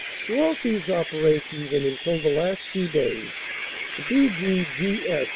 Throughout these opera tions and until the last few days, the B.G.G.S.